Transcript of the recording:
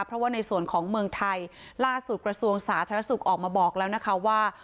เพราะว่าในส่วนของเมืองไทยล่าสุดกระทรวงสาธารณสุขออกมาบอกแล้วนะคะว่า